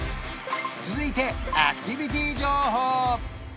続いてアクティビティ情報！